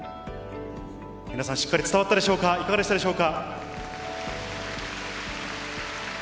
皆さん、しっかり伝わったでしょうか、いかがでしたでしょうか？